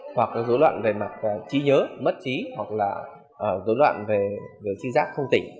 hoặc là dấu loạn về mặt trí nhớ mất trí hoặc là dấu loạn về trí giác không tỉnh